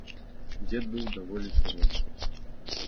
Дзед быў даволі суровы.